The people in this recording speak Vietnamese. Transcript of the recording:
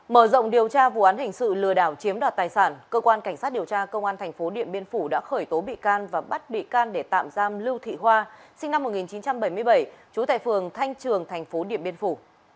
mở rộng điều tra vụ án hình sự lừa đảo chiếm đoạt tài sản cơ quan cảnh sát điều tra công an thành phố điện biên phủ đã khởi tố bị can và bắt bị can để tạm giam lưu thị hoa sinh năm một nghìn chín trăm bảy mươi bảy trú tại phường thanh trường thành phố điện biên phủ